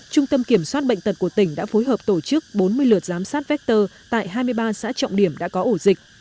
trung tâm kiểm soát bệnh tật của tỉnh đã phối hợp tổ chức bốn mươi lượt giám sát vector tại hai mươi ba xã trọng điểm đã có ổ dịch